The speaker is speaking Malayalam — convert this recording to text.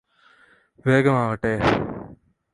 വേഗമാവട്ടെ